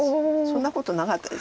そんなことなかったです。